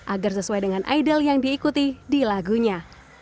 agar sesuai dengan idol yang diikuti di lagunya